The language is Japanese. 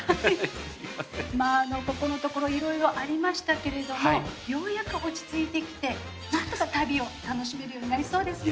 まあここのところいろいろありましたけれどもようやく落ち着いてきてなんとか旅を楽しめるようになりそうですね。